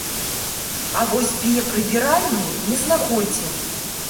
А вось біяпрыбіральні не знаходзім.